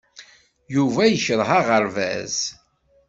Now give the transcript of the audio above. Yuba yekṛeh aɣerbaz.